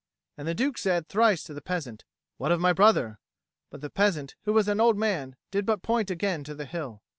And the Duke said thrice to the peasant, "What of my brother?" But the peasant, who was an old man, did but point again to the hill.